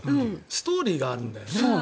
ストーリーがあるんだよね。